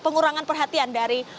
pengurangan perhatian dari